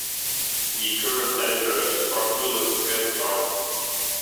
The current editor is Prafulla Ketkar.